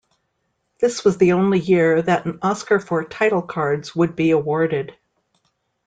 This was the only year that an Oscar for title cards would be awarded.